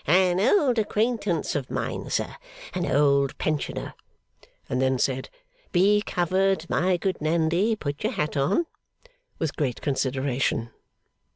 'An old acquaintance of mine, sir, an old pensioner.' And then said, 'Be covered, my good Nandy; put your hat on,' with great consideration.